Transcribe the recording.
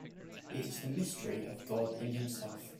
It is the mystery of God in himself.